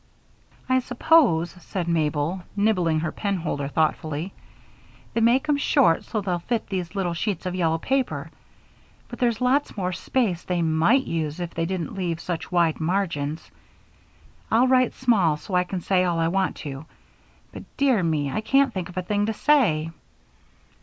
"I suppose," said Mabel, nibbling her penholder thoughtfully, "they make 'em short so they'll fit these little sheets of yellow paper, but there's lots more space they might use if they didn't leave such wide margins. I'll write small so I can say all I want to, but, dear me, I can't think of a thing to say."